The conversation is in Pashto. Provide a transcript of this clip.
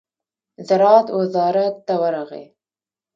زراعت وزارت ته ورغی.